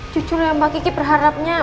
jujur ya mbak kiki berharapnya